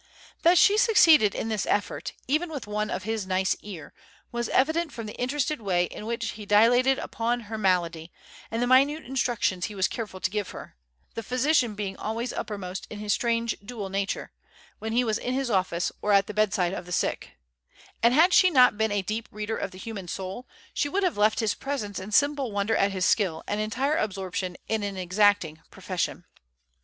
That she succeeded in this effort, even with one of his nice ear, was evident from the interested way in which he dilated upon her malady, and the minute instructions he was careful to give her the physician being always uppermost in his strange dual nature, when he was in his office or at the bedside of the sick; and had she not been a deep reader of the human soul she would have left his presence in simple wonder at his skill and entire absorption in an exacting profession.